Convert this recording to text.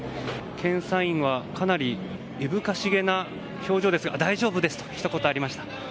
検査員はかなりいぶかしげな表情ですが大丈夫ですとひと言ありました。